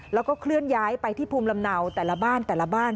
แล้วก็เคลื่อนย้ายไปที่ภูมิลำเนาแต่ละบ้านแต่ละบ้าน